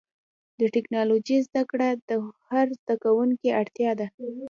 د ټکنالوجۍ زدهکړه د هر زدهکوونکي اړتیا ده.